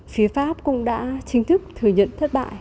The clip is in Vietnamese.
phía pháp cũng đã chính thức thừa nhận thất bại